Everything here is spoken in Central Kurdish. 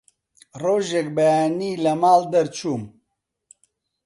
ڕۆژێک بەیانی لە ماڵ دەرچووم